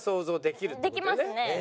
できますね。